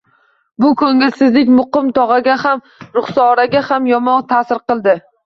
Bu ko`ngilsizlik Muqim tog`aga ham, Ruxsoraga ham yomon ta`sir qildi